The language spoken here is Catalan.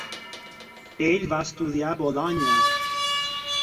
Ell va estudiar a Bolonya.